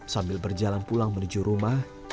sambil berjalan pulang menuju rumah